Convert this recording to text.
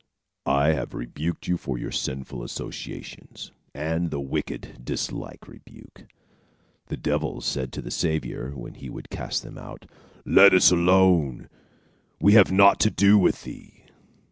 "I have rebuked you for your sinful associations, and the wicked dislike rebuke. The devils said to the Saviour, when he would cast them out, 'Let us alone; we have naught to do with thee.'